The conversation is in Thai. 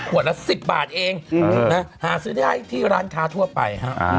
ละ๑๐บาทเองหาซื้อได้ที่ร้านค้าทั่วไป